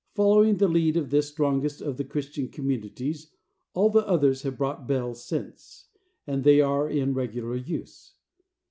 Following the lead of this strongest of the Christian communities, all the others have brought bells since, and they are in regular use.